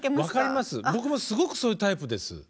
僕もすごくそういうタイプです。